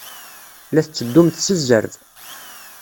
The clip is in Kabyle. La tetteddumt s zzerb.